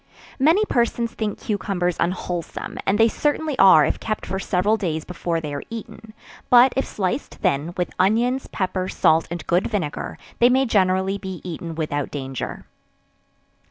Many persons think cucumbers unwholesome, and they certainly are if kept for several days before they are eaten; but if sliced thin, with onions, pepper, salt and good vinegar, they may generally be eaten without danger.